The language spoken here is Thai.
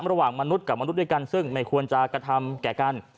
มนุษย์กับมนุษย์ด้วยกันซึ่งไม่ควรจะกระทำแก่กัน